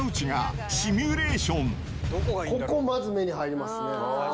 ここ、まず目に入りますね。